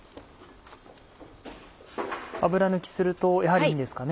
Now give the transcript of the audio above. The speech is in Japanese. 油抜きするとやはりいいんですかね。